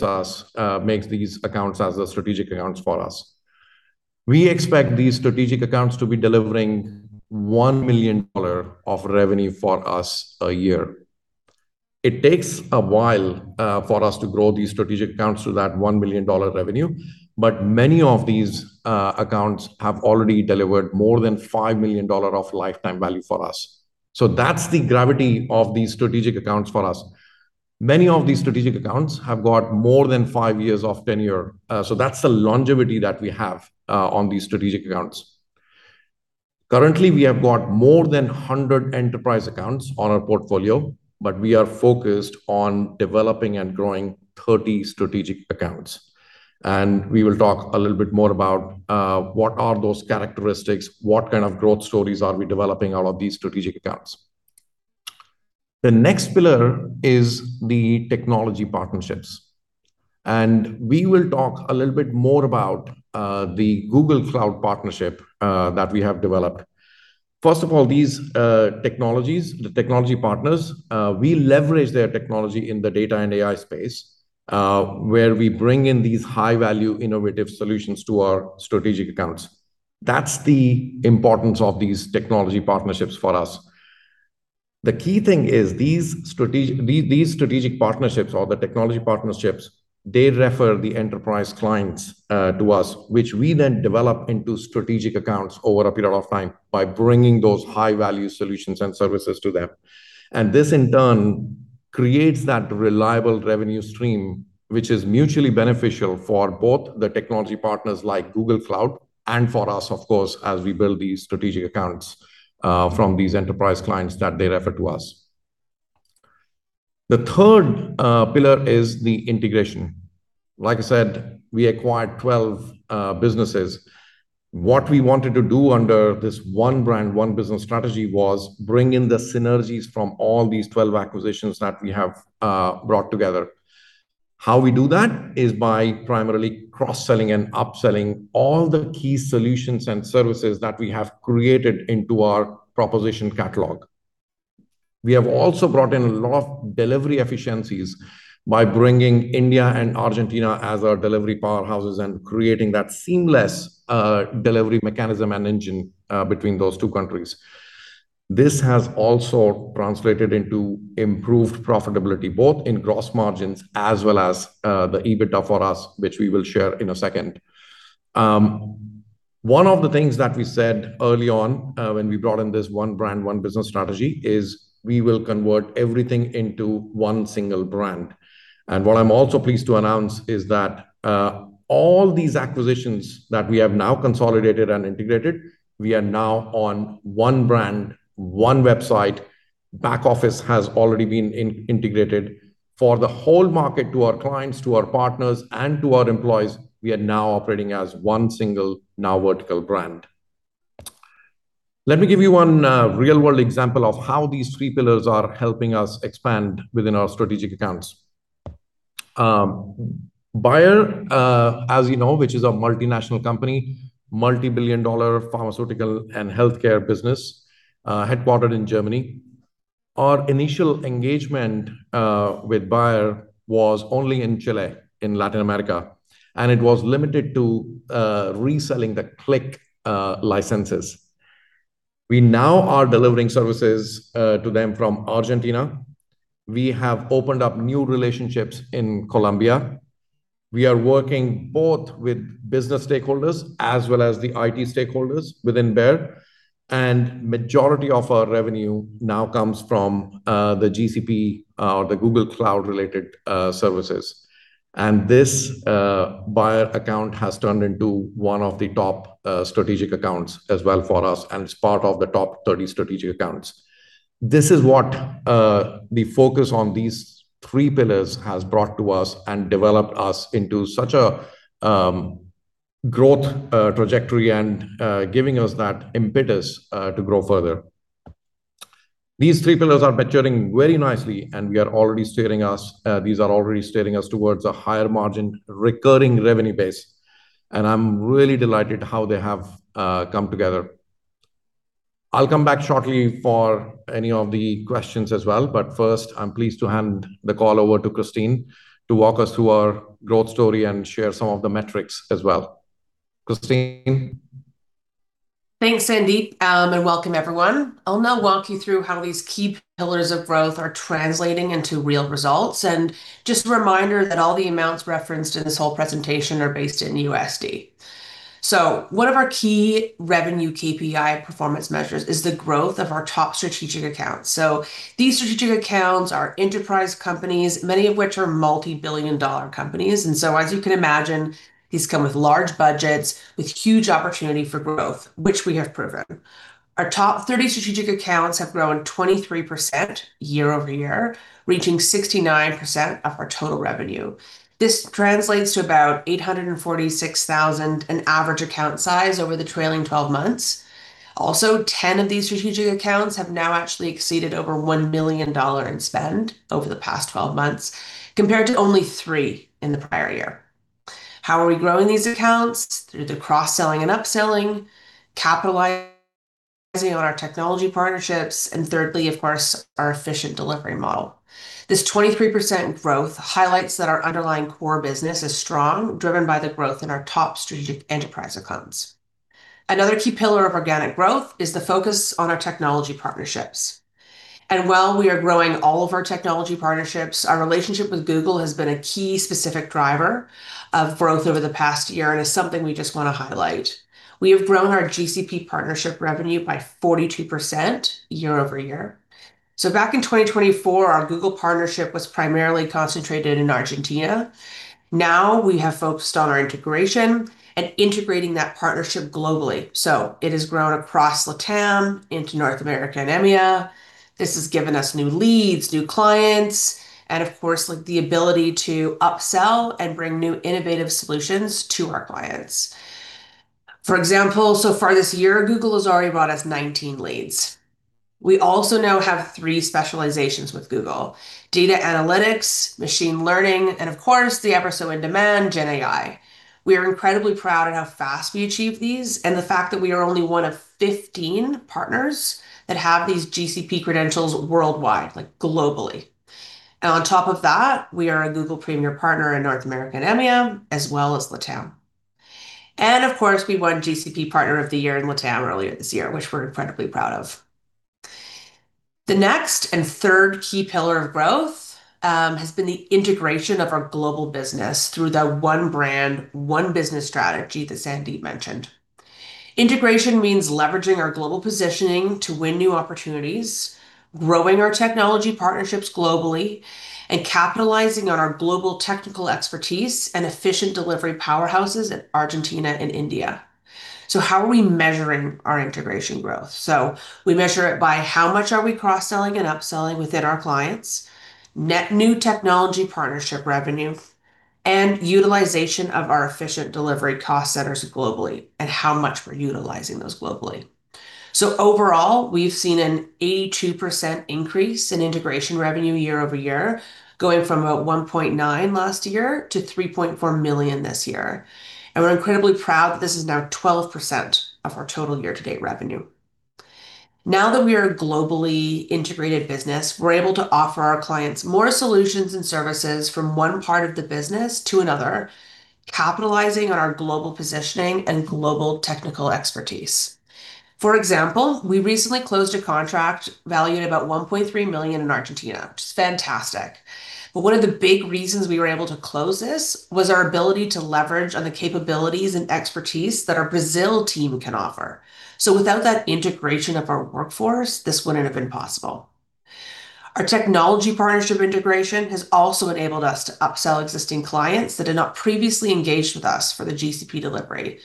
This makes these accounts as the strategic accounts for us. We expect these strategic accounts to be delivering $1 million of revenue for us a year. It takes a while for us to grow these strategic accounts to that $1 million revenue, but many of these accounts have already delivered more than $5 million of lifetime value for us. So that's the gravity of these strategic accounts for us. Many of these strategic accounts have got more than five years of tenure. So that's the longevity that we have on these strategic accounts. Currently, we have got more than 100 enterprise accounts on our portfolio, but we are focused on developing and growing 30 strategic accounts. And we will talk a little bit more about what are those characteristics, what kind of growth stories are we developing out of these strategic accounts. The next pillar is the technology partnerships. And we will talk a little bit more about the Google Cloud partnership that we have developed. First of all, these technologies, the technology partners, we leverage their technology in the data and AI space, where we bring in these high-value innovative solutions to our strategic accounts. That's the importance of these technology partnerships for us. The key thing is these strategic partnerships, or the technology partnerships. They refer the enterprise clients to us, which we then develop into strategic accounts over a period of time by bringing those high-value solutions and services to them. And this in turn creates that reliable revenue stream, which is mutually beneficial for both the technology partners like Google Cloud and for us, of course, as we build these strategic accounts from these enterprise clients that they refer to us. The third pillar is the integration. Like I said, we acquired 12 businesses. What we wanted to do under this one brand, one business strategy was bring in the synergies from all these 12 acquisitions that we have brought together. How we do that is by primarily cross-selling and upselling all the key solutions and services that we have created into our proposition catalog. We have also brought in a lot of delivery efficiencies by bringing India and Argentina as our delivery powerhouses and creating that seamless delivery mechanism and engine between those two countries. This has also translated into improved profitability, both in gross margins as well as the EBITDA for us, which we will share in a second. One of the things that we said early on, when we brought in this one brand, one business strategy is we will convert everything into one single brand. And what I'm also pleased to announce is that all these acquisitions that we have now consolidated and integrated. We are now on one brand, one website. Back office has already been integrated. For the whole market, to our clients, to our partners, and to our employees, we are now operating as one single NowVertical brand. Let me give you one real-world example of how these three pillars are helping us expand within our strategic accounts. Bayer, as you know, which is a multinational company, multi-billion dollar pharmaceutical and healthcare business, headquartered in Germany. Our initial engagement with Bayer was only in Chile, in Latin America, and it was limited to reselling Qlik licenses. We now are delivering services to them from Argentina. We have opened up new relationships in Colombia. We are working both with business stakeholders as well as the IT stakeholders within Bayer. The majority of our revenue now comes from the GCP or the Google Cloud-related services. This Bayer account has turned into one of the top strategic accounts as well for us, and it's part of the top 30 strategic accounts. This is what the focus on these three pillars has brought to us and developed us into such a growth trajectory and giving us that impetus to grow further. These three pillars are maturing very nicely, and these are already steering us towards a higher margin recurring revenue base. I'm really delighted how they have come together. I'll come back shortly for any of the questions as well, but first, I'm pleased to hand the call over to Christine to walk us through our growth story and share some of the metrics as well. Christine. Thanks, Sandeep, and welcome, everyone. I'll now walk you through how these key pillars of growth are translating into real results. And just a reminder that all the amounts referenced in this whole presentation are based in USD. So one of our key revenue KPI performance measures is the growth of our top strategic accounts. So these strategic accounts are enterprise companies, many of which are multi-billion dollar companies. And so, as you can imagine, these come with large budgets, with huge opportunity for growth, which we have proven. Our top 30 strategic accounts have grown 23% year over year, reaching 69% of our total revenue. This translates to about $846,000 in average account size over the trailing 12 months. Also, 10 of these strategic accounts have now actually exceeded over $1 million in spend over the past 12 months, compared to only three in the prior year. How are we growing these accounts? Through the cross-selling and upselling, capitalizing on our technology partnerships, and thirdly, of course, our efficient delivery model. This 23% growth highlights that our underlying core business is strong, driven by the growth in our top strategic enterprise accounts. Another key pillar of organic growth is the focus on our technology partnerships, and while we are growing all of our technology partnerships, our relationship with Google has been a key specific driver of growth over the past year and is something we just want to highlight. We have grown our GCP partnership revenue by 42% year over year, so back in 2024, our Google partnership was primarily concentrated in Argentina. Now we have focused on our integration and integrating that partnership globally, so it has grown across Latam, into North America and EMEA. This has given us new leads, new clients, and, of course, like the ability to upsell and bring new innovative solutions to our clients. For example, so far this year, Google has already brought us 19 leads. We also now have three specializations with Google: data analytics, machine learning, and, of course, the ever-so-in-demand GenAI. We are incredibly proud of how fast we achieve these and the fact that we are only one of 15 partners that have these GCP credentials worldwide, like globally, and on top of that, we are a Google Premier partner in North America and EMEA, as well as Latam, and, of course, we won GCP Partner of the Year in Latam earlier this year, which we're incredibly proud of. The next and third key pillar of growth has been the integration of our global business through the one brand, one business strategy that Sandeep mentioned. Integration means leveraging our global positioning to win new opportunities, growing our technology partnerships globally, and capitalizing on our global technical expertise and efficient delivery powerhouses in Argentina and India. So how are we measuring our integration growth? So we measure it by how much are we cross-selling and upselling within our clients, net new technology partnership revenue, and utilization of our efficient delivery cost centers globally, and how much we're utilizing those globally. So overall, we've seen an 82% increase in integration revenue year over year, going from about $1.9 last year to $3.4 million this year. And we're incredibly proud that this is now 12% of our total year-to-date revenue. Now that we are a globally integrated business, we're able to offer our clients more solutions and services from one part of the business to another, capitalizing on our global positioning and global technical expertise. For example, we recently closed a contract valued at about $1.3 million in Argentina. It's fantastic. But one of the big reasons we were able to close this was our ability to leverage on the capabilities and expertise that our Brazil team can offer. So without that integration of our workforce, this wouldn't have been possible. Our technology partnership integration has also enabled us to upsell existing clients that had not previously engaged with us for the GCP delivery.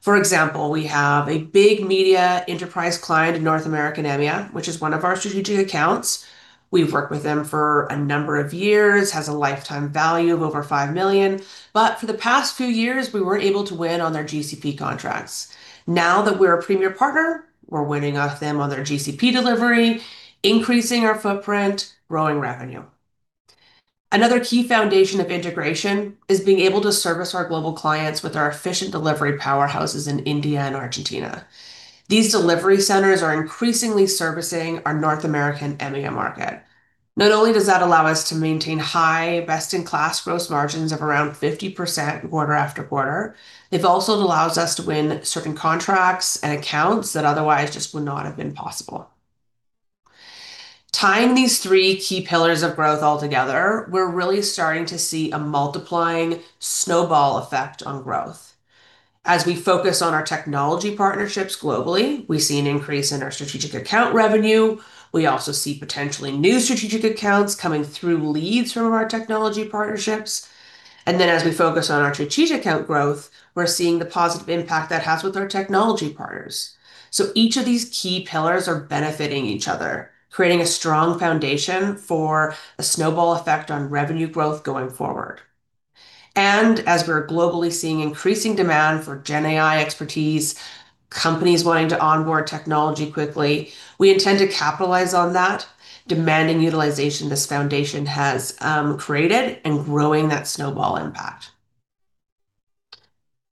For example, we have a big media enterprise client in North America and EMEA, which is one of our strategic accounts. We've worked with them for a number of years, has a lifetime value of over $5 million. But for the past few years, we weren't able to win on their GCP contracts. Now that we're a Premier partner, we're winning off them on their GCP delivery, increasing our footprint, growing revenue. Another key foundation of integration is being able to service our global clients with our efficient delivery powerhouses in India and Argentina. These delivery centers are increasingly servicing our North American EMEA market. Not only does that allow us to maintain high, best-in-class gross margins of around 50% quarter after quarter, it also allows us to win certain contracts and accounts that otherwise just would not have been possible. Tying these three key pillars of growth all together, we're really starting to see a multiplying snowball effect on growth. As we focus on our technology partnerships globally, we see an increase in our strategic account revenue. We also see potentially new strategic accounts coming through leads from our technology partnerships. Then, as we focus on our strategic account growth, we're seeing the positive impact that has with our technology partners. So each of these key pillars are benefiting each other, creating a strong foundation for a snowball effect on revenue growth going forward. And as we're globally seeing increasing demand for GenAI expertise, companies wanting to onboard technology quickly, we intend to capitalize on that, demanding utilization this foundation has created and growing that snowball impact.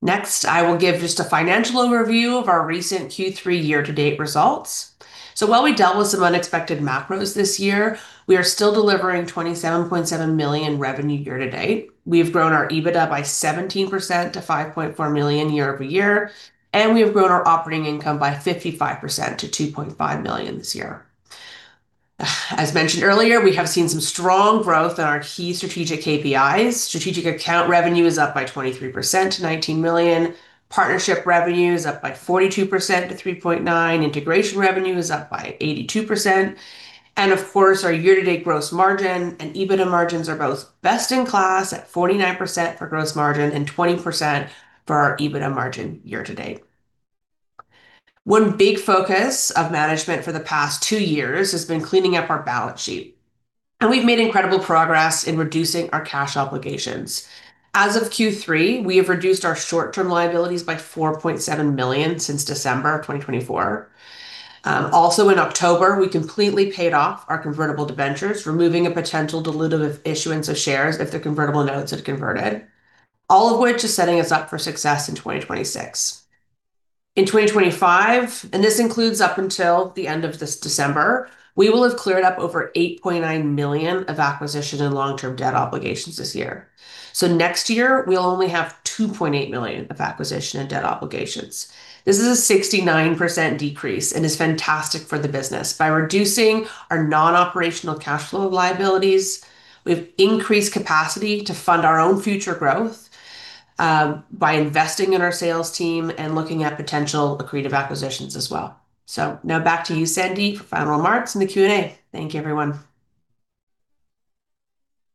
Next, I will give just a financial overview of our recent Q3 year-to-date results. So while we dealt with some unexpected macros this year, we are still delivering $27.7 million in revenue year-to-date. We have grown our EBITDA by 17% to $5.4 million year over year, and we have grown our operating income by 55% to $2.5 million this year. As mentioned earlier, we have seen some strong growth in our key strategic KPIs. Strategic account revenue is up by 23% to $19 million. Partnership revenue is up by 42% to $3.9 million. Integration revenue is up by 82%. And, of course, our year-to-date gross margin and EBITDA margins are both best in class at 49% for gross margin and 20% for our EBITDA margin year-to-date. One big focus of management for the past two years has been cleaning up our balance sheet. And we've made incredible progress in reducing our cash obligations. As of Q3, we have reduced our short-term liabilities by $4.7 million since December of 2024. Also in October, we completely paid off our convertible debentures, removing a potential dilutive issuance of shares if the convertible notes had converted, all of which is setting us up for success in 2026. In 2025, and this includes up until the end of this December, we will have cleared up over 8.9 million of acquisition and long-term debt obligations this year. So next year, we'll only have 2.8 million of acquisition and debt obligations. This is a 69% decrease and is fantastic for the business. By reducing our non-operational cash flow liabilities, we've increased capacity to fund our own future growth, by investing in our sales team and looking at potential accretive acquisitions as well. So now back to you, Sandeep, for final remarks in the Q&A. Thank you, everyone.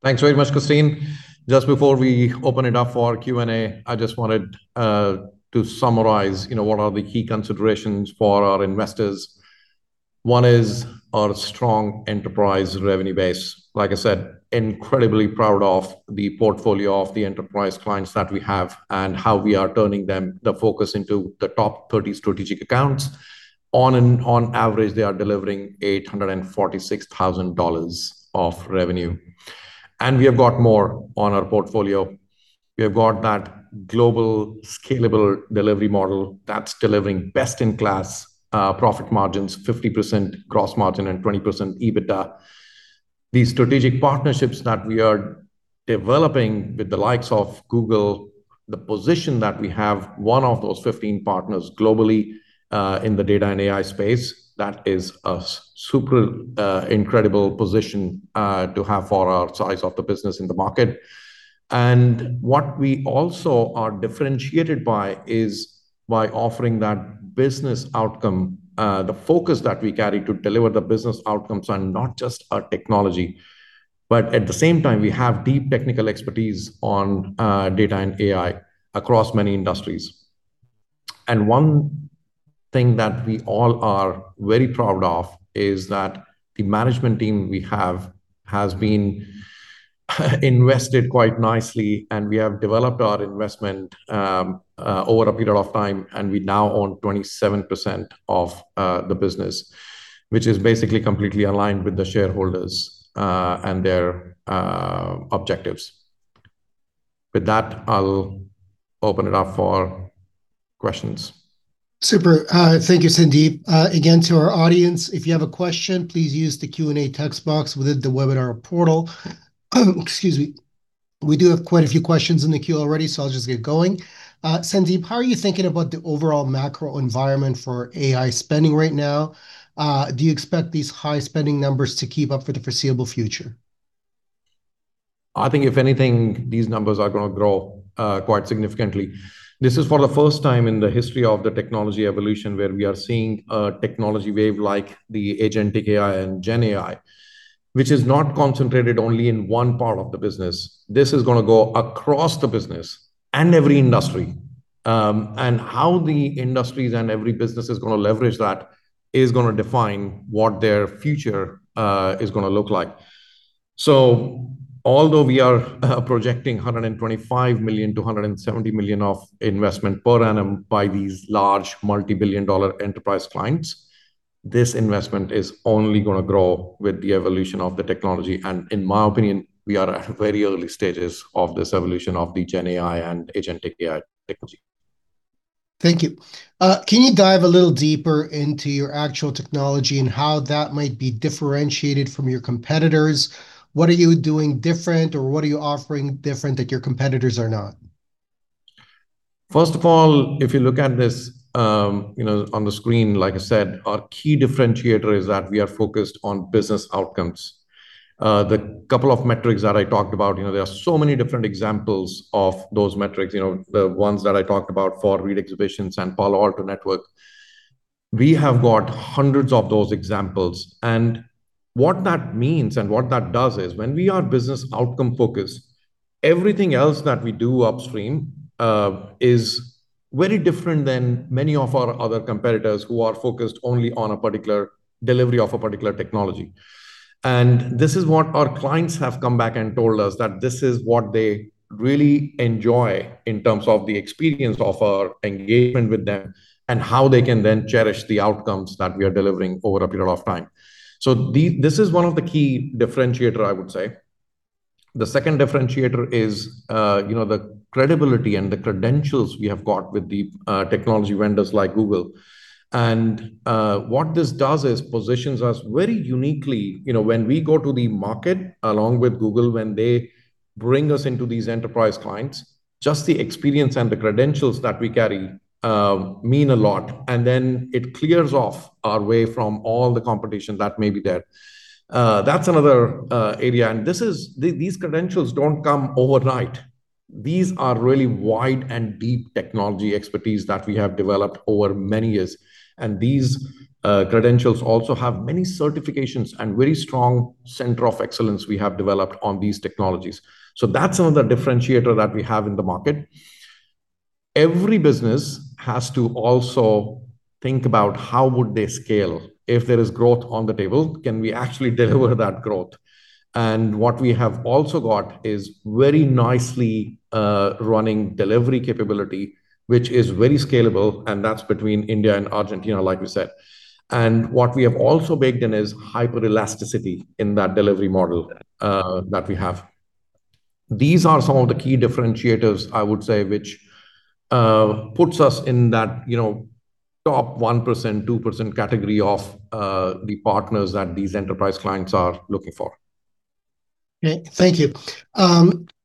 Thanks very much, Christine. Just before we open it up for Q&A, I just wanted to summarize, you know, what are the key considerations for our investors. One is our strong enterprise revenue base. Like I said, incredibly proud of the portfolio of the enterprise clients that we have and how we are turning them, the focus into the top 30 strategic accounts. On an average, they are delivering $846,000 of revenue. And we have got more on our portfolio. We have got that global scalable delivery model that's delivering best-in-class profit margins, 50% gross margin and 20% EBITDA. These strategic partnerships that we are developing with the likes of Google, the position that we have, one of those 15 partners globally, in the data and AI space, that is a super incredible position to have for our size of the business in the market. And what we also are differentiated by is by offering that business outcome, the focus that we carry to deliver the business outcomes and not just our technology, but at the same time, we have deep technical expertise on data and AI across many industries. And one thing that we all are very proud of is that the management team we have has been invested quite nicely, and we have developed our investment over a period of time, and we now own 27% of the business, which is basically completely aligned with the shareholders and their objectives. With that, I'll open it up for questions. Super. Thank you, Sandeep. Again, to our audience, if you have a question, please use the Q&A text box within the webinar portal. Excuse me. We do have quite a few questions in the queue already, so I'll just get going. Sandeep, how are you thinking about the overall macro environment for AI spending right now? Do you expect these high spending numbers to keep up for the foreseeable future? I think, if anything, these numbers are going to grow, quite significantly. This is for the first time in the history of the technology evolution where we are seeing a technology wave like the Agentic AI and GenAI, which is not concentrated only in one part of the business. This is going to go across the business and every industry, and how the industries and every business is going to leverage that is going to define what their future is going to look like, so although we are projecting $125-$170 million of investment per annum by these large multi-billion-dollar enterprise clients, this investment is only going to grow with the evolution of the technology, and in my opinion, we are at very early stages of this evolution of the GenAI and Agentic AI technology. Thank you. Can you dive a little deeper into your actual technology and how that might be differentiated from your competitors? What are you doing different or what are you offering different that your competitors are not? First of all, if you look at this, you know, on the screen, like I said, our key differentiator is that we are focused on business outcomes. The couple of metrics that I talked about, you know, there are so many different examples of those metrics, you know, the ones that I talked about for Reed Exhibitions and Palo Alto Networks. We have got hundreds of those examples. And what that means and what that does is when we are business outcome focused, everything else that we do upstream is very different than many of our other competitors who are focused only on a particular delivery of a particular technology. And this is what our clients have come back and told us that this is what they really enjoy in terms of the experience of our engagement with them and how they can then cherish the outcomes that we are delivering over a period of time. So this is one of the key differentiators, I would say. The second differentiator is, you know, the credibility and the credentials we have got with the technology vendors like Google. And what this does is positions us very uniquely, you know, when we go to the market along with Google, when they bring us into these enterprise clients, just the experience and the credentials that we carry mean a lot. And then it clears off our way from all the competition that may be there. That's another area. And this is, these credentials don't come overnight. These are really wide and deep technology expertise that we have developed over many years, and these credentials also have many certifications and very strong center of excellence we have developed on these technologies, so that's another differentiator that we have in the market. Every business has to also think about how would they scale? If there is growth on the table, can we actually deliver that growth? and what we have also got is very nicely running delivery capability, which is very scalable, and that's between India and Argentina, like we said, and what we have also baked in is hyper-elasticity in that delivery model that we have. These are some of the key differentiators, I would say, which puts us in that, you know, top 1%-2% category of the partners that these enterprise clients are looking for. Okay. Thank you.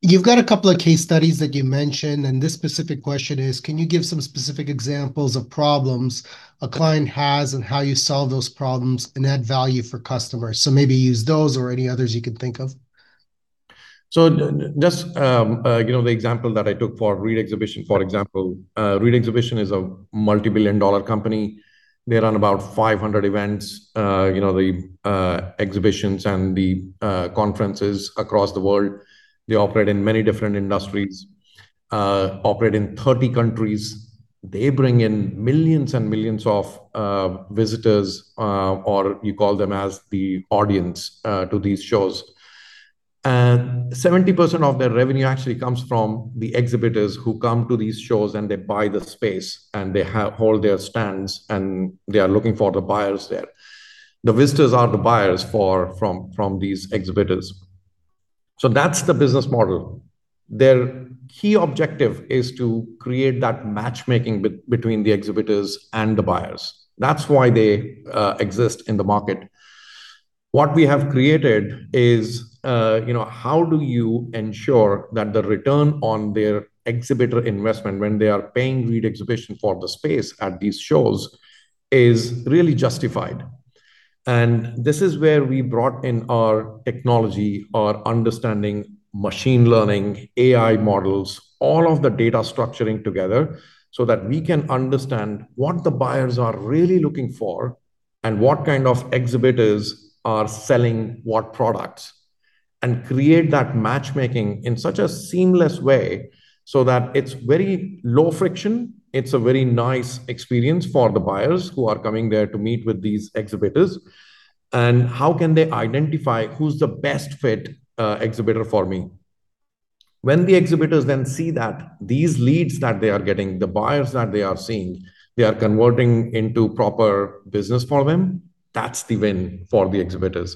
You've got a couple of case studies that you mentioned, and this specific question is, can you give some specific examples of problems a client has and how you solve those problems and add value for customers? So maybe use those or any others you can think of. So just, you know, the example that I took for Reed Exhibitions, for example. Reed Exhibitions is a multi-billion-dollar company. They run about 500 events, you know, exhibitions and conferences across the world. They operate in many different industries, operate in 30 countries. They bring in millions and millions of visitors, or you call them as the audience, to these shows. And 70% of their revenue actually comes from the exhibitors who come to these shows and they buy the space and they hold their stands and they are looking for the buyers there. The visitors are the buyers from these exhibitors. So that's the business model. Their key objective is to create that matchmaking between the exhibitors and the buyers. That's why they exist in the market. What we have created is, you know, how do you ensure that the return on their exhibitor investment when they are paying Reed Exhibitions for the space at these shows is really justified? And this is where we brought in our technology, our understanding, machine learning, AI models, all of the data structuring together so that we can understand what the buyers are really looking for and what kind of exhibitors are selling what products and create that matchmaking in such a seamless way so that it's very low friction. It's a very nice experience for the buyers who are coming there to meet with these exhibitors. And how can they identify who's the best fit exhibitor for me? When the exhibitors then see that these leads that they are getting, the buyers that they are seeing, they are converting into proper business for them, that's the win for the exhibitors.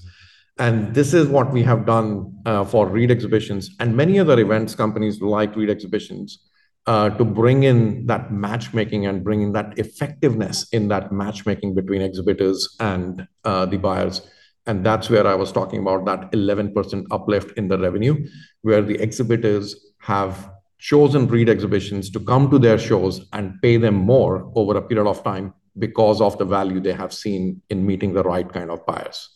And this is what we have done, for Reed Exhibitions and many other events, companies like Reed Exhibitions, to bring in that matchmaking and bring in that effectiveness in that matchmaking between exhibitors and the buyers. And that's where I was talking about that 11% uplift in the revenue, where the exhibitors have chosen Reed Exhibitions to come to their shows and pay them more over a period of time because of the value they have seen in meeting the right kind of buyers.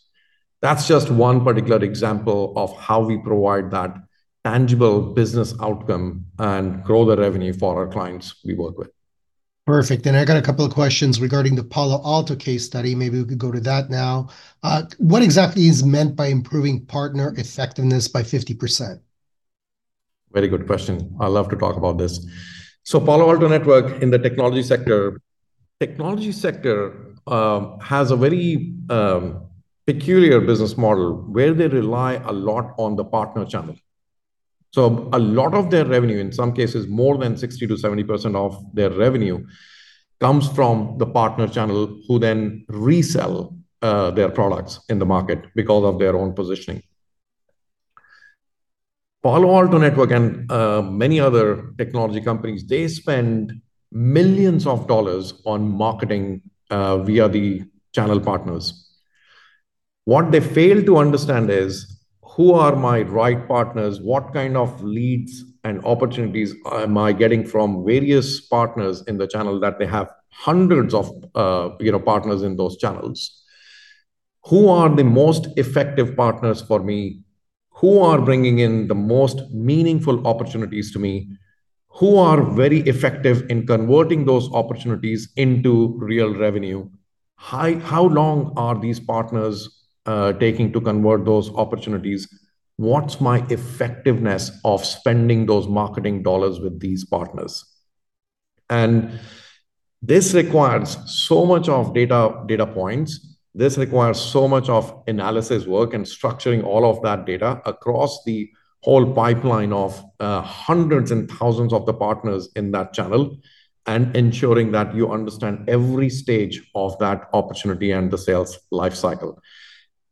That's just one particular example of how we provide that tangible business outcome and grow the revenue for our clients we work with. Perfect. And I got a couple of questions regarding the Palo Alto case study. Maybe we could go to that now. What exactly is meant by improving partner effectiveness by 50%? Very good question. I love to talk about this, so Palo Alto Networks in the technology sector has a very peculiar business model where they rely a lot on the partner channel, so a lot of their revenue, in some cases, more than 60%-70% of their revenue comes from the partner channel who then resell their products in the market because of their own positioning. Palo Alto Networks and many other technology companies, they spend millions of dollars on marketing via the channel partners. What they fail to understand is who are my right partners? What kind of leads and opportunities am I getting from various partners in the channel that they have hundreds of, you know, partners in those channels? Who are the most effective partners for me? Who are bringing in the most meaningful opportunities to me? Who are very effective in converting those opportunities into real revenue? How long are these partners taking to convert those opportunities? What's my effectiveness of spending those marketing dollars with these partners, and this requires so much of data, data points. This requires so much of analysis work and structuring all of that data across the whole pipeline of hundreds and thousands of the partners in that channel and ensuring that you understand every stage of that opportunity and the sales lifecycle.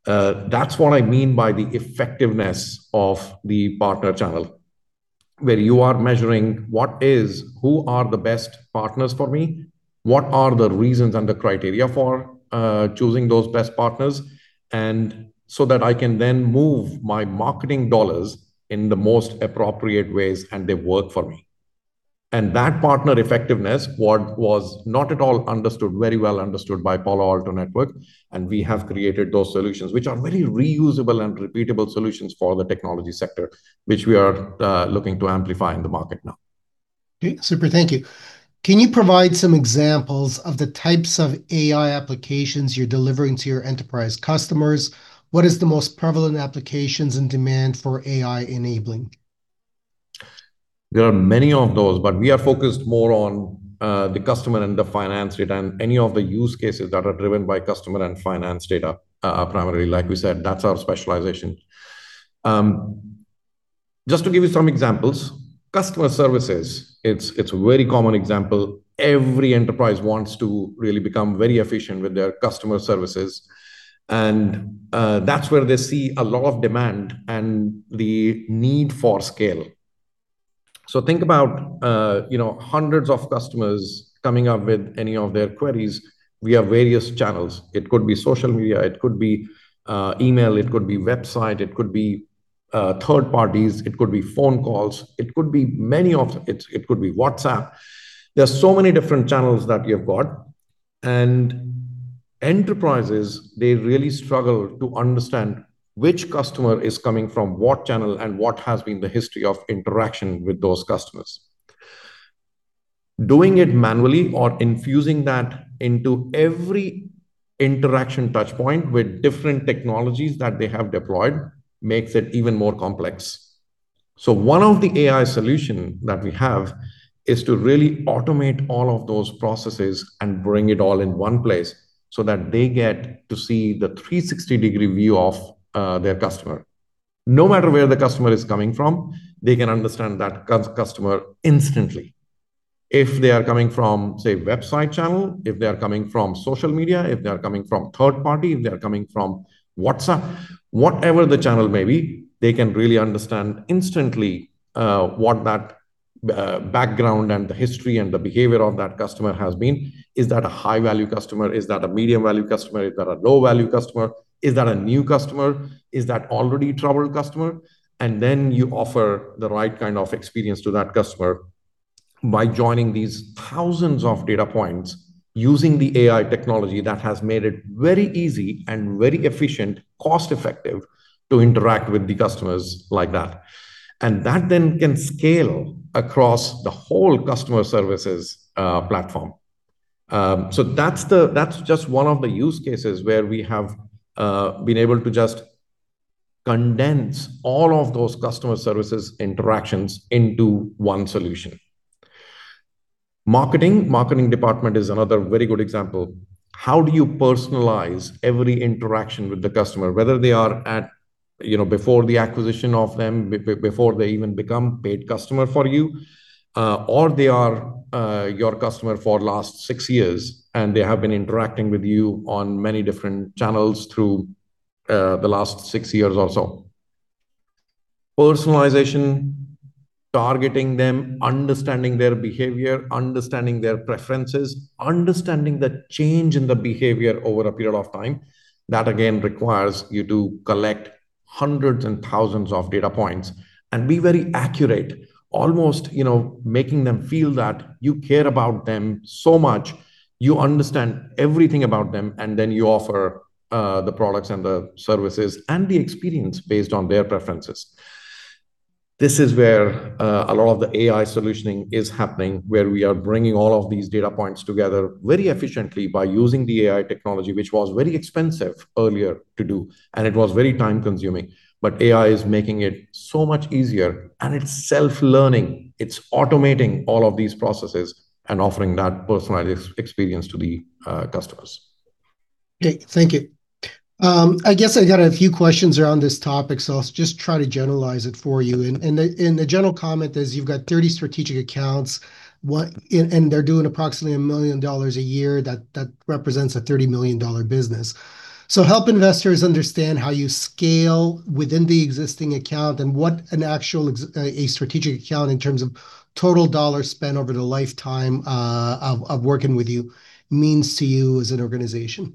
That's what I mean by the effectiveness of the partner channel, where you are measuring what is who are the best partners for me, what are the reasons and the criteria for choosing those best partners, and so that I can then move my marketing dollars in the most appropriate ways and they work for me. That partner effectiveness was not at all understood, very well understood by Palo Alto Networks. We have created those solutions, which are very reusable and repeatable solutions for the technology sector, which we are looking to amplify in the market now. Okay. Super. Thank you. Can you provide some examples of the types of AI applications you're delivering to your enterprise customers? What is the most prevalent applications and demand for AI enabling? There are many of those, but we are focused more on the customer and the finance data and any of the use cases that are driven by customer and finance data, primarily. Like we said, that's our specialization. Just to give you some examples, customer services. It's a very common example. Every enterprise wants to really become very efficient with their customer services, and that's where they see a lot of demand and the need for scale, so think about, you know, hundreds of customers coming up with any of their queries. We have various channels. It could be social media, it could be email, it could be website, it could be third parties, it could be phone calls, it could be WhatsApp. There's so many different channels that you've got. And enterprises, they really struggle to understand which customer is coming from what channel and what has been the history of interaction with those customers. Doing it manually or infusing that into every interaction touchpoint with different technologies that they have deployed makes it even more complex. So one of the AI solutions that we have is to really automate all of those processes and bring it all in one place so that they get to see the 360-degree view of their customer. No matter where the customer is coming from, they can understand that customer instantly. If they are coming from, say, website channel, if they are coming from social media, if they are coming from third party, if they are coming from WhatsApp, whatever the channel may be, they can really understand instantly what that background and the history and the behavior of that customer has been. Is that a high-value customer? Is that a medium-value customer? Is that a low-value customer? Is that a new customer? Is that already a troubled customer? and then you offer the right kind of experience to that customer by joining these thousands of data points using the AI technology that has made it very easy and very efficient, cost-effective to interact with the customers like that, and that then can scale across the whole customer services platform, so that's just one of the use cases where we have been able to just condense all of those customer services interactions into one solution. Marketing, marketing department is another very good example. How do you personalize every interaction with the customer, whether they are at, you know, before the acquisition of them, before they even become paid customers for you, or they are your customer for the last six years and they have been interacting with you on many different channels through the last six years or so? Personalization, targeting them, understanding their behavior, understanding their preferences, understanding the change in the behavior over a period of time. That again requires you to collect hundreds and thousands of data points and be very accurate, almost, you know, making them feel that you care about them so much, you understand everything about them, and then you offer the products and the services and the experience based on their preferences. This is where a lot of the AI solutioning is happening, where we are bringing all of these data points together very efficiently by using the AI technology, which was very expensive earlier to do, and it was very time-consuming. But AI is making it so much easier, and it's self-learning. It's automating all of these processes and offering that personalized experience to the customers. Thank you. I guess I got a few questions around this topic, so I'll just try to generalize it for you. And the general comment is you've got 30 strategic accounts, and they're doing approximately $1 million a year. That represents a $30 million business. So help investors understand how you scale within the existing account and what an actual strategic account in terms of total dollar spent over the lifetime of working with you means to you as an organization.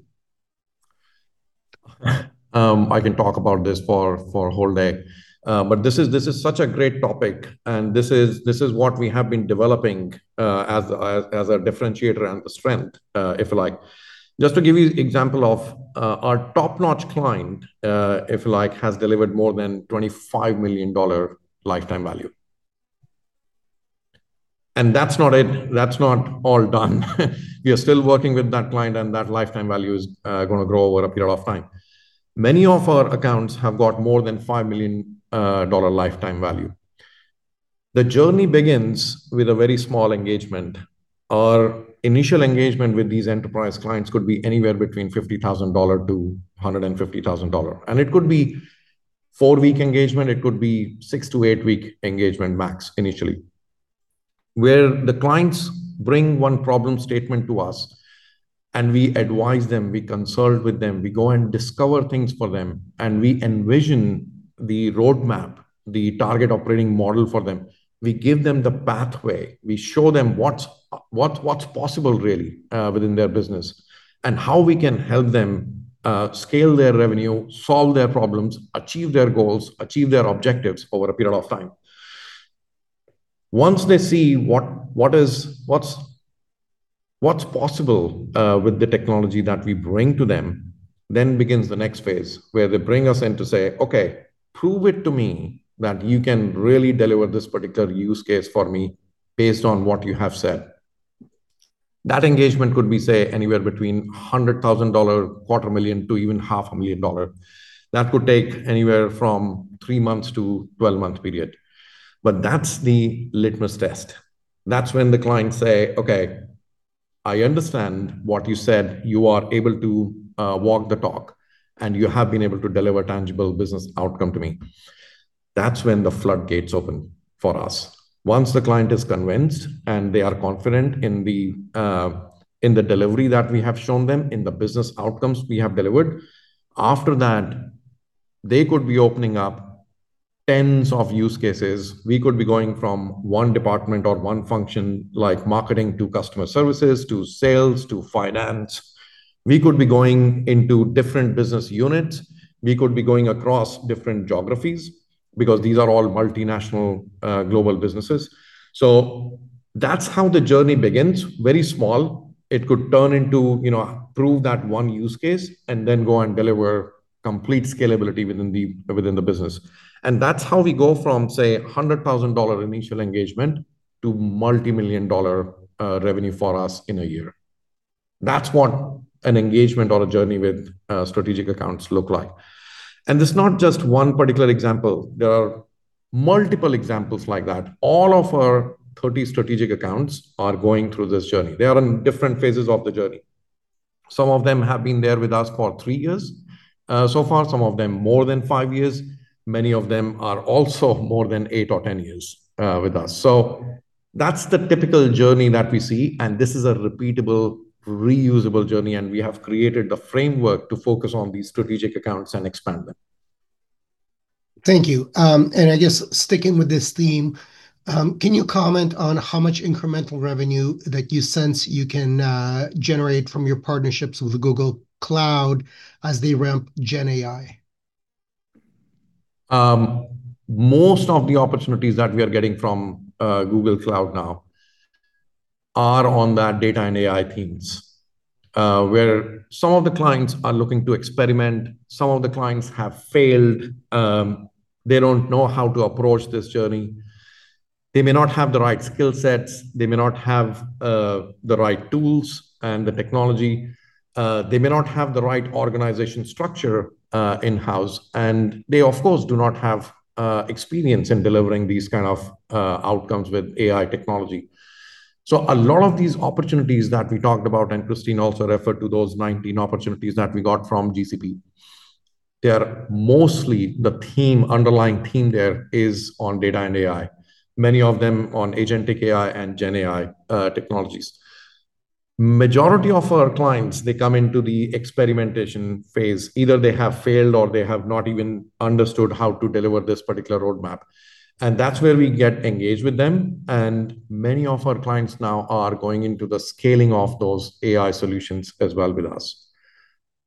I can talk about this for a whole day, but this is such a great topic, and this is what we have been developing, as a differentiator and the strength, if you like. Just to give you an example of our top-notch client, if you like, has delivered more than $25 million lifetime value, and that's not it. That's not all done. We are still working with that client, and that lifetime value is going to grow over a period of time. Many of our accounts have got more than $5 million lifetime value. The journey begins with a very small engagement. Our initial engagement with these enterprise clients could be anywhere between $50,000 to $150,000, and it could be four-week engagement. It could be six- to eight-week engagement max initially, where the clients bring one problem statement to us, and we advise them, we consult with them, we go and discover things for them, and we envision the roadmap, the target operating model for them. We give them the pathway. We show them what's possible really, within their business and how we can help them, scale their revenue, solve their problems, achieve their goals, achieve their objectives over a period of time. Once they see what's possible, with the technology that we bring to them, then begins the next phase where they bring us in to say, "Okay, prove it to me that you can really deliver this particular use case for me based on what you have said." That engagement could be, say, anywhere between $100,000, $250,000, to even $500,000. That could take anywhere from three months to a 12-month period. But that's the litmus test. That's when the clients say, "Okay, I understand what you said. You are able to, walk the talk, and you have been able to deliver a tangible business outcome to me." That's when the floodgates open for us. Once the client is convinced and they are confident in the delivery that we have shown them in the business outcomes we have delivered, after that, they could be opening up tens of use cases. We could be going from one department or one function, like marketing, to customer services, to sales, to finance. We could be going into different business units. We could be going across different geographies because these are all multinational, global businesses. So that's how the journey begins. Very small. It could turn into, you know, prove that one use case and then go and deliver complete scalability within the business, and that's how we go from, say, $100,000 initial engagement to multi-million-dollar revenue for us in a year. That's what an engagement or a journey with strategic accounts looks like, and it's not just one particular example. There are multiple examples like that. All of our 30 strategic accounts are going through this journey. They are in different phases of the journey. Some of them have been there with us for three years so far, some of them more than five years. Many of them are also more than eight or ten years with us, so that's the typical journey that we see, and this is a repeatable, reusable journey, and we have created the framework to focus on these strategic accounts and expand them. Thank you, and I guess sticking with this theme, can you comment on how much incremental revenue that you sense you can generate from your partnerships with Google Cloud as they ramp GenAI? Most of the opportunities that we are getting from Google Cloud now are on that data and AI themes, where some of the clients are looking to experiment. Some of the clients have failed. They don't know how to approach this journey. They may not have the right skill sets. They may not have the right tools and the technology. They may not have the right organization structure in-house. And they, of course, do not have experience in delivering these kind of outcomes with AI technology. So a lot of these opportunities that we talked about, and Christine also referred to those 19 opportunities that we got from GCP, they are mostly the theme. Underlying theme there is on data and AI, many of them on Agentic AI and GenAI technologies. Majority of our clients, they come into the experimentation phase. Either they have failed or they have not even understood how to deliver this particular roadmap. And that's where we get engaged with them. And many of our clients now are going into the scaling of those AI solutions as well with us.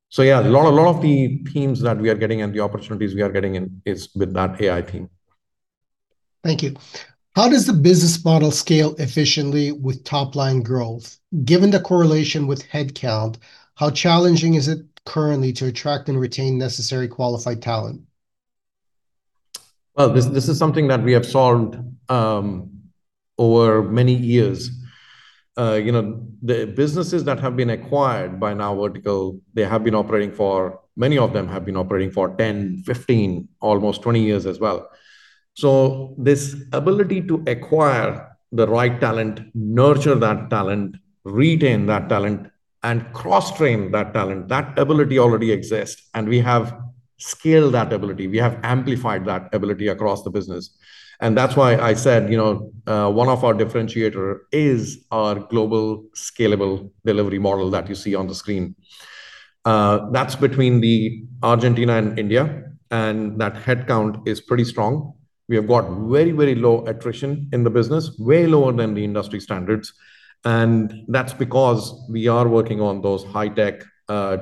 So, yeah, a lot, a lot of the themes that we are getting and the opportunities we are getting in is with that AI team. Thank you. How does the business model scale efficiently with top-line growth? Given the correlation with headcount, how challenging is it currently to attract and retain necessary qualified talent? Well, this is something that we have solved over many years. You know, the businesses that have been acquired by NowVertical, many of them have been operating for 10, 15, almost 20 years as well. So this ability to acquire the right talent, nurture that talent, retain that talent, and cross-train that talent, that ability already exists. And we have scaled that ability. We have amplified that ability across the business. And that's why I said, you know, one of our differentiators is our global scalable delivery model that you see on the screen. That's between Argentina and India, and that headcount is pretty strong. We have got very, very low attrition in the business, way lower than the industry standards. And that's because we are working on those high-tech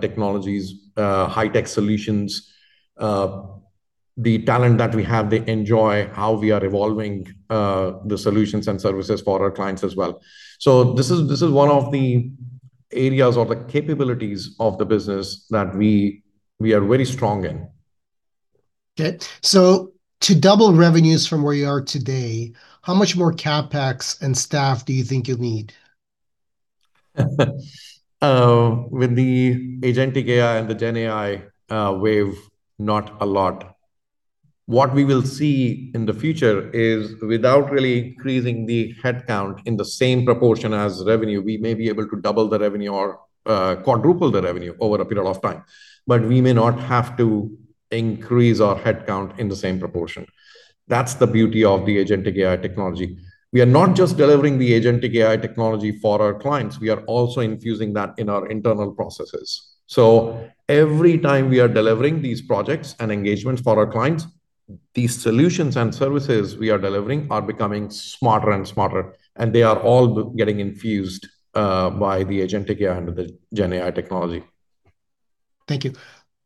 technologies, high-tech solutions. The talent that we have. They enjoy how we are evolving the solutions and services for our clients as well, so this is one of the areas or the capabilities of the business that we are very strong in. Okay, so to double revenues from where you are today, how much more CapEx and staff do you think you'll need? with the Agentic AI and the GenAI wave, not a lot. What we will see in the future is, without really increasing the headcount in the same proportion as revenue, we may be able to double the revenue or quadruple the revenue over a period of time, but we may not have to increase our headcount in the same proportion. That's the beauty of the Agentic AI technology. We are not just delivering the Agentic AI technology for our clients. We are also infusing that in our internal processes, so every time we are delivering these projects and engagements for our clients, these solutions and services we are delivering are becoming smarter and smarter, and they are all getting infused by the Agentic AI and the GenAI technology. Thank you.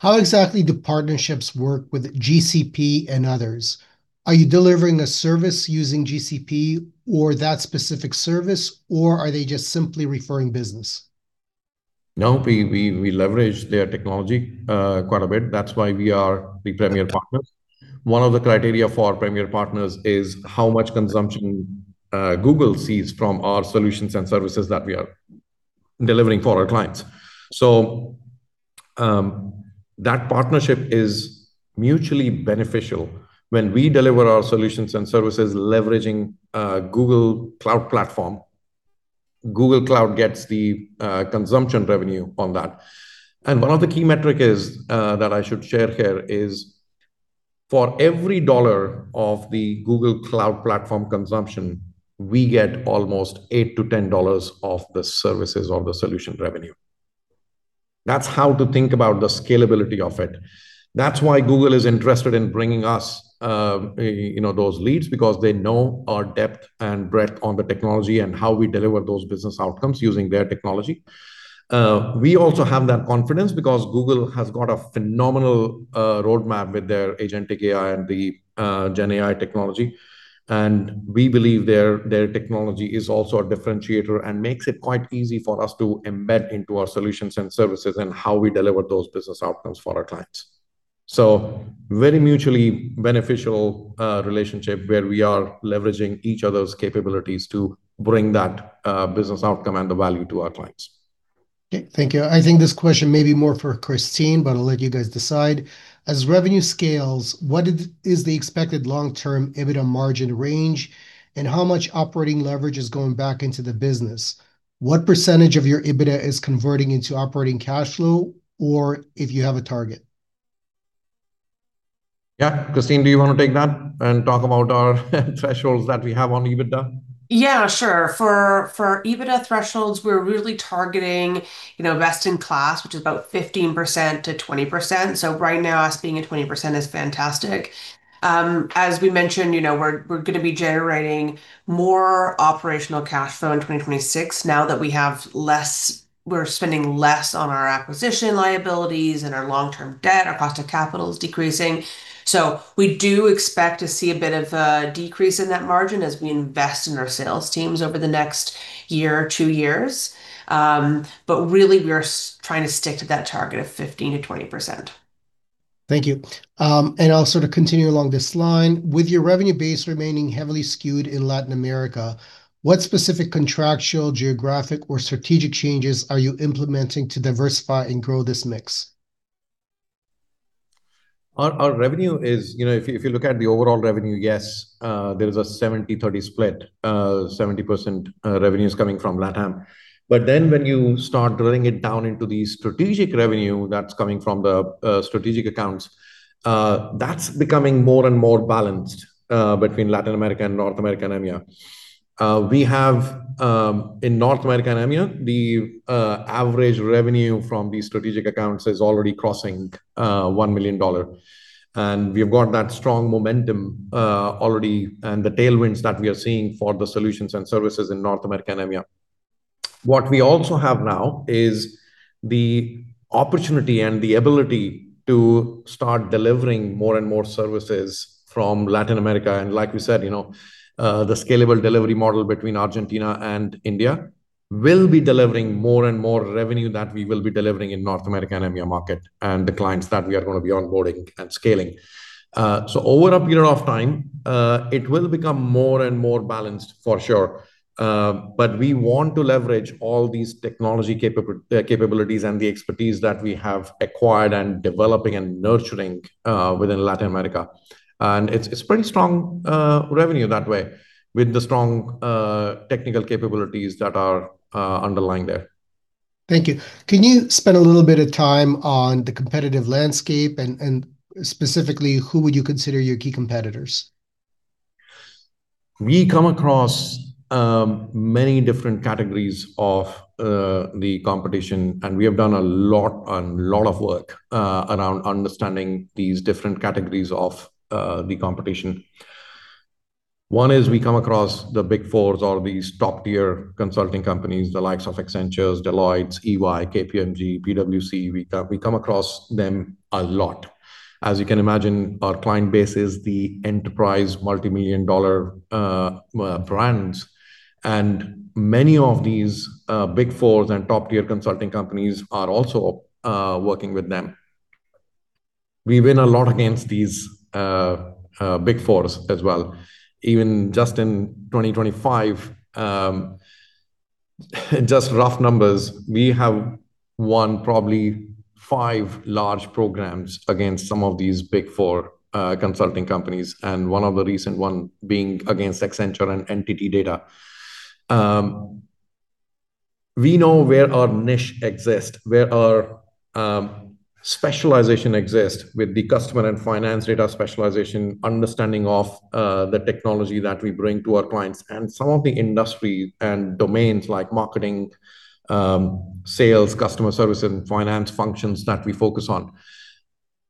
How exactly do partnerships work with GCP and others? Are you delivering a service using GCP or that specific service, or are they just simply referring business? No, we leverage their technology quite a bit. That's why we are the premier partners. One of the criteria for premier partners is how much consumption Google sees from our solutions and services that we are delivering for our clients, so that partnership is mutually beneficial when we deliver our solutions and services leveraging Google Cloud Platform. Google Cloud gets the consumption revenue on that, and one of the key metrics that I should share here is for every dollar of the Google Cloud Platform consumption, we get almost $8-$10 of the services or the solution revenue. That's how to think about the scalability of it. That's why Google is interested in bringing us, you know, those leads, because they know our depth and breadth on the technology and how we deliver those business outcomes using their technology. We also have that confidence because Google has got a phenomenal roadmap with their Agentic AI and the GenAI technology, and we believe their technology is also a differentiator and makes it quite easy for us to embed into our solutions and services and how we deliver those business outcomes for our clients, so very mutually beneficial relationship where we are leveraging each other's capabilities to bring that business outcome and the value to our clients. Okay. Thank you. I think this question may be more for Christine, but I'll let you guys decide. As revenue scales, what is the expected long-term EBITDA margin range, and how much operating leverage is going back into the business? What percentage of your EBITDA is converting into operating cash flow, or if you have a target? Yeah. Christine, do you want to take that and talk about our thresholds that we have on EBITDA? Yeah, sure. For EBITDA thresholds, we're really targeting, you know, best in class, which is about 15%-20%. So right now, us being at 20% is fantastic. As we mentioned, you know, we're going to be generating more operational cash flow in 2026 now that we have less, we're spending less on our acquisition liabilities and our long-term debt. Our cost of capital is decreasing. So we do expect to see a bit of a decrease in that margin as we invest in our sales teams over the next year or two years. But really, we are trying to stick to that target of 15%-20%. Thank you. And I'll sort of continue along this line. With your revenue base remaining heavily skewed in Latin America, what specific contractual, geographic, or strategic changes are you implementing to diversify and grow this mix? Our revenue is, you know, if you look at the overall revenue, yes, there is a 70/30 split. 70% revenue is coming from LATAM, but then when you start drilling it down into the strategic revenue that's coming from the strategic accounts, that's becoming more and more balanced between Latin America and North America and EMEA. We have, in North America and EMEA, the average revenue from these strategic accounts is already crossing $1 million, and we have got that strong momentum already and the tailwinds that we are seeing for the solutions and services in North America and EMEA. What we also have now is the opportunity and the ability to start delivering more and more services from Latin America. And like we said, you know, the scalable delivery model between Argentina and India will be delivering more and more revenue that we will be delivering in North America and EMEA market and the clients that we are going to be onboarding and scaling, so over a period of time, it will become more and more balanced for sure, but we want to leverage all these technology capabilities and the expertise that we have acquired and developing and nurturing within Latin America. And it's pretty strong revenue that way with the strong technical capabilities that are underlying there. Thank you. Can you spend a little bit of time on the competitive landscape and, specifically, who would you consider your key competitors? We come across many different categories of the competition, and we have done a lot and a lot of work around understanding these different categories of the competition. One is we come across the big fours or these top-tier consulting companies, the likes of Accenture, Deloitte, EY, KPMG, PwC. We come across them a lot. As you can imagine, our client base is the enterprise multi-million-dollar brands. And many of these big fours and top-tier consulting companies are also working with them. We win a lot against these big fours as well. Even just in 2025, just rough numbers, we have won probably five large programs against some of these big four consulting companies, and one of the recent ones being against Accenture and NTT DATA. We know where our niche exists, where our specialization exists with the customer and finance data specialization, understanding of the technology that we bring to our clients and some of the industry and domains like marketing, sales, customer service, and finance functions that we focus on.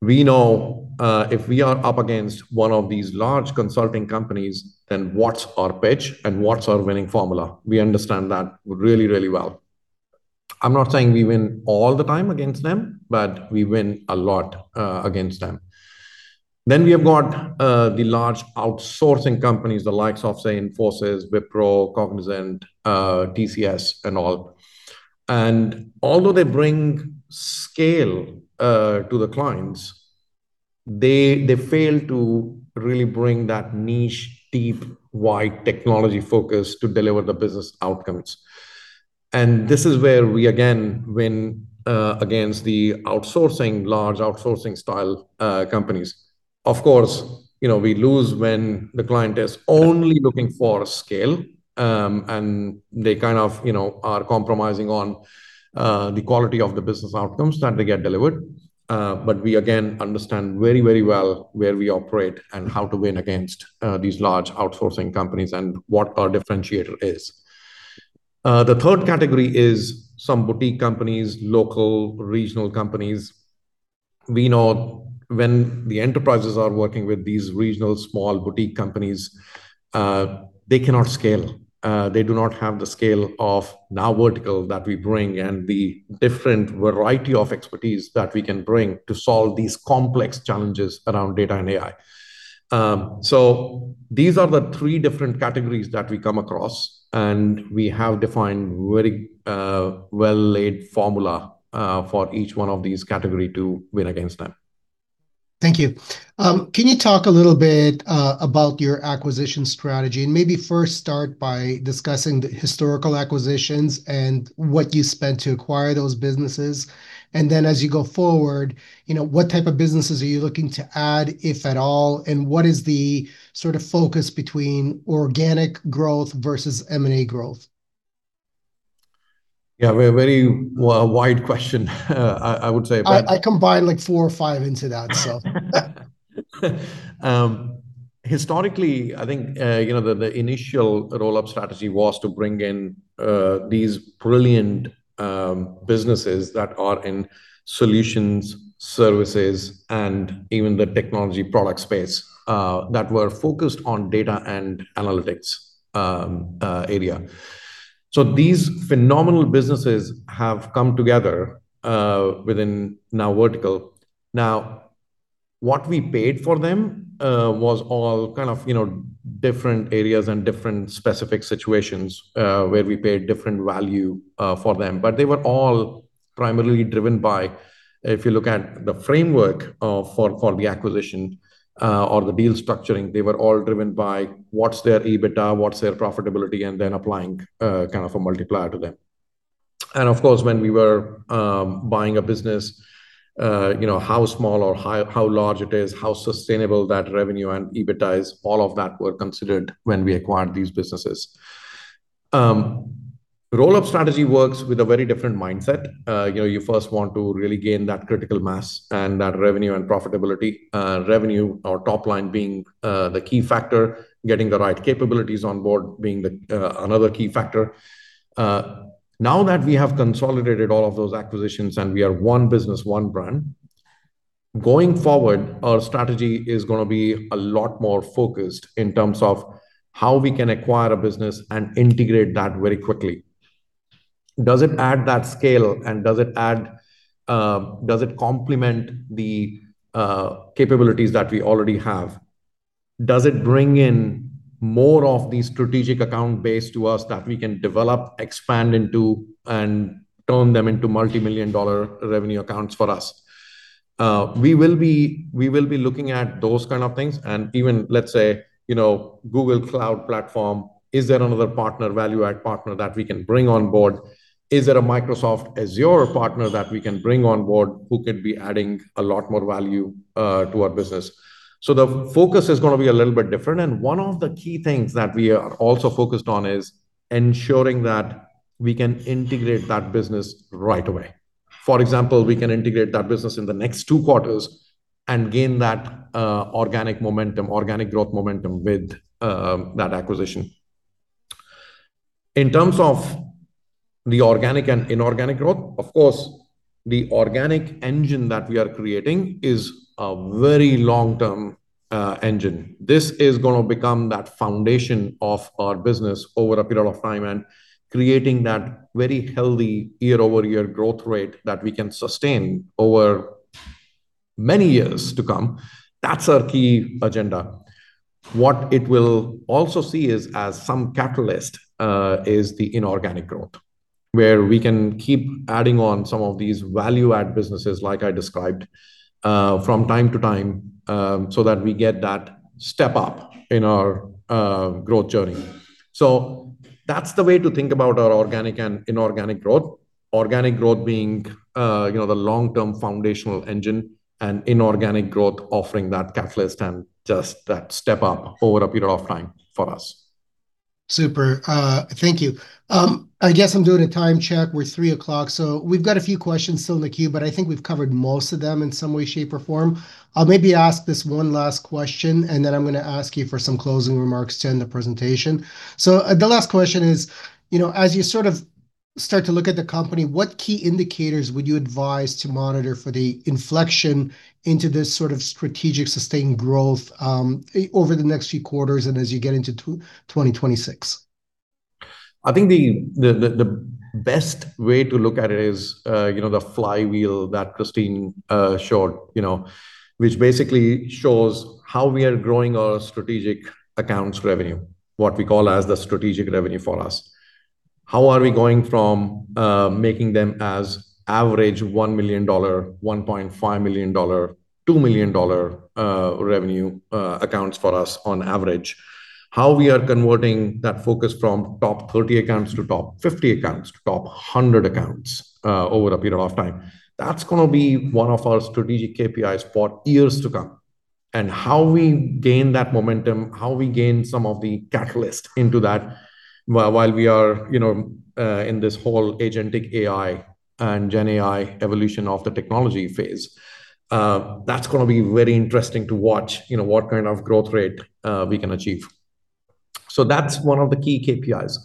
We know if we are up against one of these large consulting companies, then what's our pitch and what's our winning formula? We understand that really, really well. I'm not saying we win all the time against them, but we win a lot against them. Then we have got the large outsourcing companies, the likes of, say, Infosys, Wipro, Cognizant, TCS, and all. And although they bring scale to the clients, they fail to really bring that niche, deep, wide technology focus to deliver the business outcomes. And this is where we again win against the outsourcing, large outsourcing style companies. Of course, you know, we lose when the client is only looking for scale, and they kind of, you know, are compromising on the quality of the business outcomes that they get delivered, but we again understand very, very well where we operate and how to win against these large outsourcing companies and what our differentiator is. The third category is some boutique companies, local, regional companies. We know when the enterprises are working with these regional small boutique companies, they cannot scale. They do not have the scale of NowVertical that we bring and the different variety of expertise that we can bring to solve these complex challenges around data and AI, so these are the three different categories that we come across, and we have defined very well-laid formula for each one of these categories to win against them. Thank you. Can you talk a little bit about your acquisition strategy and maybe first start by discussing the historical acquisitions and what you spent to acquire those businesses? And then as you go forward, you know, what type of businesses are you looking to add, if at all, and what is the sort of focus between organic growth versus M&A growth? Yeah, very, very wide question. I would say. I combine like four or five into that, so. Historically, I think, you know, the initial roll-up strategy was to bring in these brilliant businesses that are in solutions, services, and even the technology product space, that were focused on data and analytics area. So these phenomenal businesses have come together within NowVertical. Now, what we paid for them was all kind of, you know, different areas and different specific situations, where we paid different value for them. But they were all primarily driven by, if you look at the framework for the acquisition or the deal structuring, they were all driven by what's their EBITDA, what's their profitability, and then applying kind of a multiplier to them. And of course, when we were buying a business, you know, how small or how large it is, how sustainable that revenue and EBITDA is, all of that were considered when we acquired these businesses. Roll-up strategy works with a very different mindset. You know, you first want to really gain that critical mass and that revenue and profitability, revenue or top line being the key factor, getting the right capabilities on board being the another key factor. Now that we have consolidated all of those acquisitions and we are one business, one brand, going forward, our strategy is going to be a lot more focused in terms of how we can acquire a business and integrate that very quickly. Does it add that scale and does it add, does it complement the capabilities that we already have? Does it bring in more of these strategic account base to us that we can develop, expand into, and turn them into multi-million dollar revenue accounts for us? We will be, we will be looking at those kind of things. And even, let's say, you know, Google Cloud Platform, is there another partner, value-add partner that we can bring on board? Is there a Microsoft Azure partner that we can bring on board who could be adding a lot more value to our business? So the focus is going to be a little bit different. And one of the key things that we are also focused on is ensuring that we can integrate that business right away. For example, we can integrate that business in the next two quarters and gain that organic momentum, organic growth momentum with that acquisition. In terms of the organic and inorganic growth, of course, the organic engine that we are creating is a very long-term engine. This is going to become that foundation of our business over a period of time and creating that very healthy year-over-year growth rate that we can sustain over many years to come. That's our key agenda. What it will also see is as some catalyst is the inorganic growth where we can keep adding on some of these value-add businesses, like I described, from time to time, so that we get that step up in our growth journey. So that's the way to think about our organic and inorganic growth. Organic growth being, you know, the long-term foundational engine and inorganic growth offering that catalyst and just that step up over a period of time for us. Super. Thank you. I guess I'm doing a time check. We're 3:00 P.M., so we've got a few questions still in the queue, but I think we've covered most of them in some way, shape, or form. I'll maybe ask this one last question, and then I'm going to ask you for some closing remarks to end the presentation. So the last question is, you know, as you sort of start to look at the company, what key indicators would you advise to monitor for the inflection into this sort of strategic sustained growth, over the next few quarters and as you get into 2026? I think the best way to look at it is, you know, the flywheel that Christine showed, you know, which basically shows how we are growing our strategic accounts revenue, what we call as the strategic revenue for us. How are we going from making them as average $1 million, $1.5 million, $2 million revenue accounts for us on average? How we are converting that focus from top 30 accounts to top 50 accounts, top 100 accounts, over a period of time. That's going to be one of our strategic KPIs for years to come, and how we gain that momentum, how we gain some of the catalyst into that while we are, you know, in this whole Agentic AI and GenAI evolution of the technology phase. That's going to be very interesting to watch, you know, what kind of growth rate we can achieve. So that's one of the key KPIs.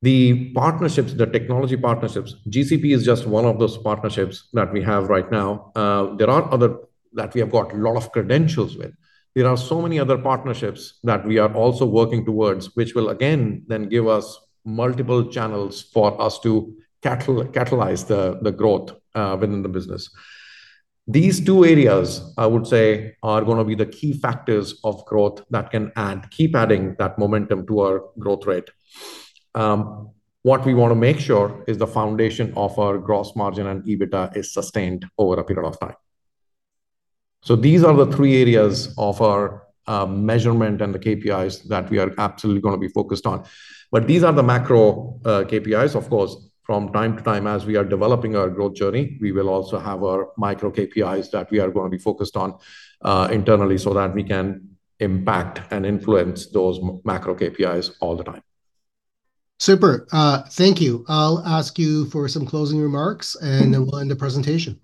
The partnerships, the technology partnerships, GCP is just one of those partnerships that we have right now. There are other that we have got a lot of credentials with. There are so many other partnerships that we are also working towards, which will again then give us multiple channels for us to catalyze the, the growth, within the business. These two areas, I would say, are going to be the key factors of growth that can add, keep adding that momentum to our growth rate. What we want to make sure is the foundation of our gross margin and EBITDA is sustained over a period of time. So these are the three areas of our, measurement and the KPIs that we are absolutely going to be focused on. But these are the macro, KPIs, of course. From time to time, as we are developing our growth journey, we will also have our micro KPIs that we are going to be focused on, internally so that we can impact and influence those macro KPIs all the time. Super. Thank you. I'll ask you for some closing remarks, and then we'll end the presentation.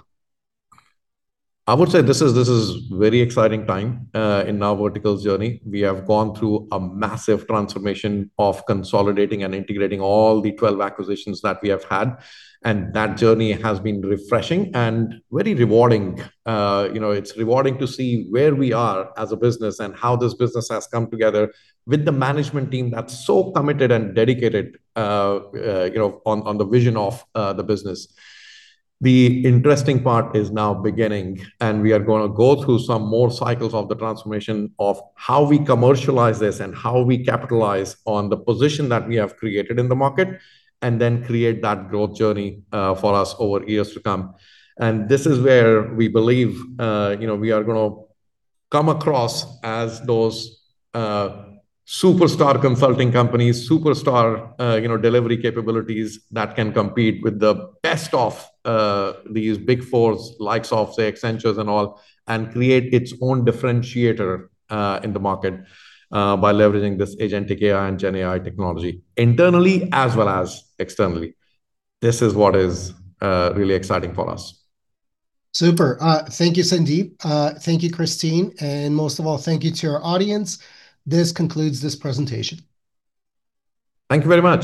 I would say this is a very exciting time in NowVertical's journey. We have gone through a massive transformation of consolidating and integrating all the 12 acquisitions that we have had, and that journey has been refreshing and very rewarding. You know, it's rewarding to see where we are as a business and how this business has come together with the management team that's so committed and dedicated, you know, on the vision of the business. The interesting part is now beginning, and we are going to go through some more cycles of the transformation of how we commercialize this and how we capitalize on the position that we have created in the market and then create that growth journey for us over years to come. This is where we believe, you know, we are going to come across as those superstar consulting companies, you know, delivery capabilities that can compete with the best of these big fours, likes of, say, Accenture and all, and create its own differentiator in the market by leveraging this Agentic AI and GenAI technology internally as well as externally. This is what is really exciting for us. Super. Thank you, Sandeep. Thank you, Christine. And most of all, thank you to our audience. This concludes this presentation. Thank you very much.